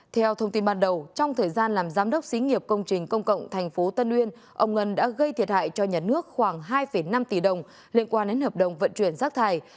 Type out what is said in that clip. theo thông tin ban đầu trong thời gian làm giám đốc xí nghiệp công trình công cộng tp tân uyên ông ngân đã gây thiệt hại cho nhà nước khoảng hai năm tỷ đồng liên quan đến hợp đồng vận chuyển rác thải